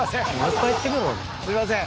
すいません。